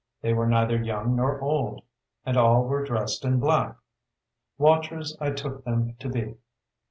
They were neither young nor old, and all were dressed in black: watchers I took them to be.